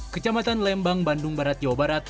kecamatan lembang bandung barat jawa barat